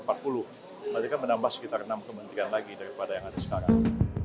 berarti kan menambah sekitar enam kementerian lagi daripada yang ada sekarang